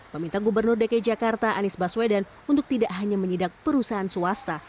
meminta gubernur dki jakarta anies baswedan untuk tidak hanya menyidak perusahaan swasta